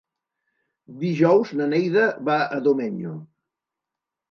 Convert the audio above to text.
Dijous na Neida va a Domenyo.